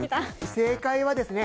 正解はですね